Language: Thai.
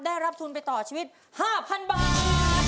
ได้รับทุนไปต่อชีวิต๕๐๐๐บาท